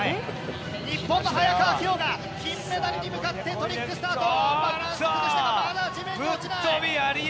日本の早川が金メダルに向かってトリックスタート。